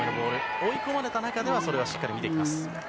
追い込まれた中ではしっかり見ていきます。